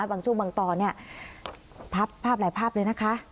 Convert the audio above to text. บางช่วงบางตอนเนี่ยพับภาพหลายภาพเลยนะคะ